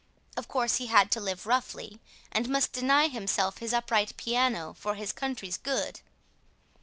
Of course he had to live roughly, and must deny himself his upright piano for his country's good.